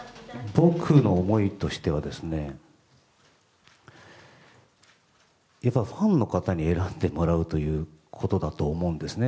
僕の思いとしてはファンの方に選んでもらうということだと思うんですね。